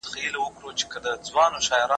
وروسته لوبې کوي.